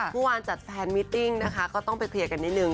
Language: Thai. เมื่อวานจัดแฟนมิติ้งนะคะก็ต้องไปเคลียร์กันนิดนึง